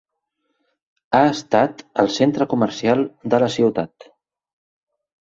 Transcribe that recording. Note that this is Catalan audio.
Ha estat el centre comercial de la ciutat.